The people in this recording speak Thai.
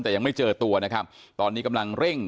แต่ยังไม่เจอตัวนะครับตอนนี้กำลังเร่ง